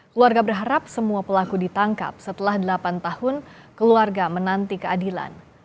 keluarga berharap semua pelaku ditangkap setelah delapan tahun keluarga menanti keadilan